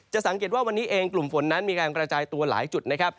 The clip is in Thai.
สังเกตว่าวันนี้เองกลุ่มฝนนั้นมีการกระจายตัวหลายจุดนะครับ